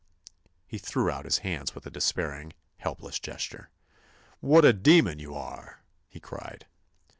He threw out his hands with a despairing, helpless gesture. "What a demon you are!" he cried.